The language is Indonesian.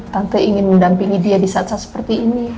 tante ingin mendampingi dia di saat saat seperti ini